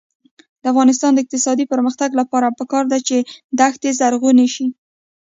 د افغانستان د اقتصادي پرمختګ لپاره پکار ده چې دښتي زرغونې شي.